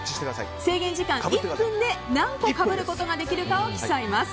制限時間１分で何個かぶることができるかを競います。